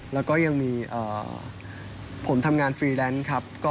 แล้วก็ยังมีผมทำงานฟรีแลนซ์ครับ